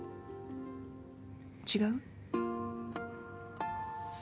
違う？